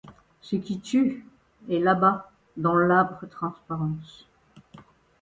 Ce qui tue, et là-bas, dans l’âpre transparence